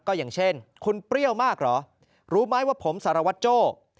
ก็อย่างเช่นคุณเปรี้ยวมากเหรอรู้ไหมว่าผมสารวัตรโจ้